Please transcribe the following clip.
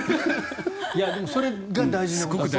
でもそれが大事なこと。